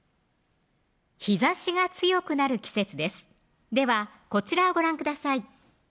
日ざしが強くなる季節ですではこちらをご覧ください